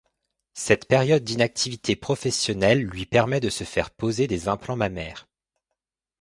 Cette période d'inactivité professionnelle lui permet de se faire poser des implants mammaires.